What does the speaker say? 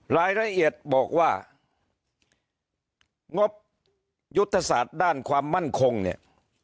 รายละเอียดบอกว่างบยุทธศาสตร์ด้านความมั่นคงเนี่ย